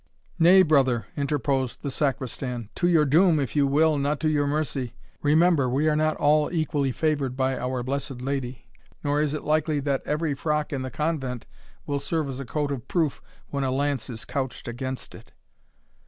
"Nay, brother," interposed the Sacristan, "to your doom, if you will, not to your mercy Remember, we are not all equally favoured by our blessed Lady, nor is it likely that every frock in the Convent will serve as a coat of proof when a lance is couched against it."